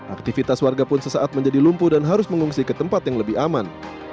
aktivitas warga pun sesaat menjadi lumpuh dan harus mengungsi ke tempat yang lebih aman